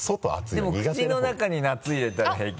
でも口の中に夏入れたら平気。